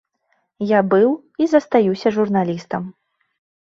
Я быў і застаюся журналістам.